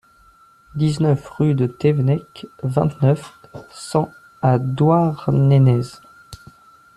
dix-neuf rue de Tevennec, vingt-neuf, cent à Douarnenez